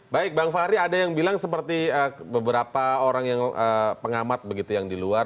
baik bang fahri ada yang bilang seperti beberapa orang yang pengamat begitu yang di luar